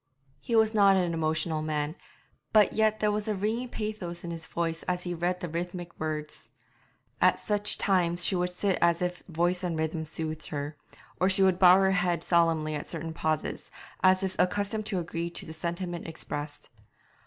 He was not an emotional man, but yet there was a ringing pathos in his voice as he read the rhythmic words. At such times she would sit as if voice and rhythm soothed her, or she would bow her head solemnly at certain pauses, as if accustomed to agree to the sentiment expressed.